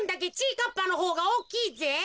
かっぱのほうがおおきいぜ。